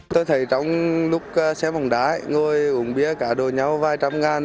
tôi thấy trong lúc xé bóng đá ngồi uống bia cả đồ nhau vài trăm ngàn